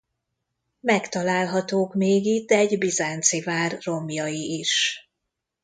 Megtalálhatók még itt egy bizánci vár romjai is.